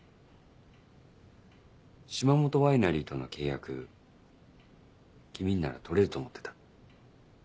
島本ワイナリーとの契約君になら取れると思ってた。